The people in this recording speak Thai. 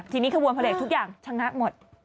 ทีนี้ขบวนพลเลงส์ทุกอย่างชนะหมด